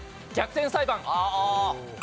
『逆転裁判』。